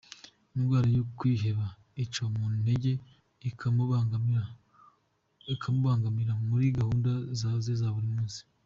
Indwara yo kwiheba ica umuntu intege, ikamubangamira muri gahunda ze za buri munsi.